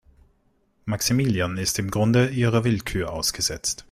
Maximilian ist im Grunde ihrer Willkür ausgesetzt.